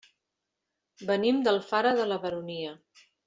Venim d'Alfara de la Baronia.